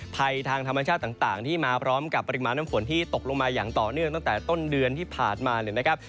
ภัยทางธรรมชาติต่างที่มาพร้อมกับปริมาณน้ำฝนที่ตกลงมาอย่างต่อเนื่องตั้งแต่ต้นเดือนที่ผ่านมาเนี่ยนะครับ